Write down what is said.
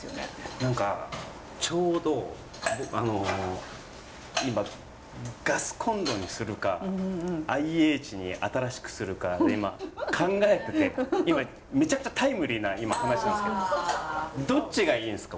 何かちょうどあの今ガスコンロにするかＩＨに新しくするかで今考えてて今めちゃくちゃタイムリーな話なんですけどどっちがいいんですか？